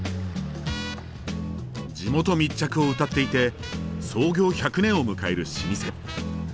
地元密着をうたっていて創業１００年を迎える老舗。